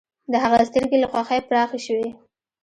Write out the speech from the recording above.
د هغه سترګې له خوښۍ پراخې شوې